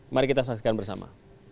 mari kita saksikan bersama